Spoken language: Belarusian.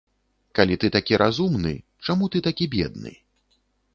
Калі ты такі разумны, чаму ты такі бедны?